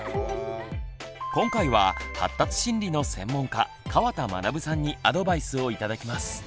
今回は発達心理の専門家川田学さんにアドバイスを頂きます。